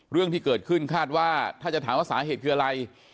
เรื่องที่เกิดขึ้นคาดว่าถ้าจะถามว่าสาเหตุคืออะไร